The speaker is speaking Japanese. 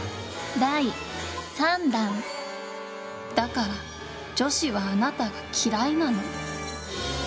だから女子はあなたが嫌いなの。